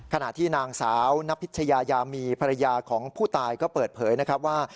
ขณะที่นางสาวนับพิชยายามีภรรยาของผู้ตายก็เปิดเผยนะครับว่า